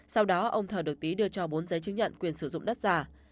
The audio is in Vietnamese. sau đó ông thờ được tý đưa cho bốn giấy chứng nhận quyền sử dụng đất giả